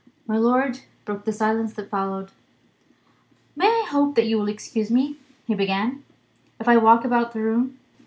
My lord broke the silence that followed. "May I hope that you will excuse me," he began, "if I walk about the room?